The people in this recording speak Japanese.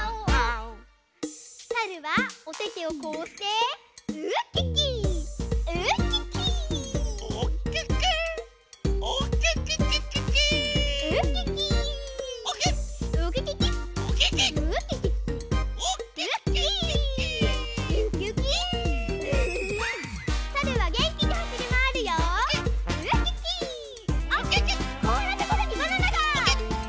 あっこんなところにバナナが！